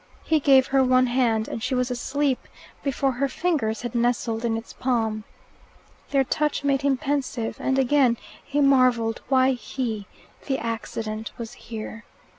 He gave her one hand, and she was asleep before her fingers had nestled in its palm. Their touch made him pensive, and again he marvelled why he, the accident, was here.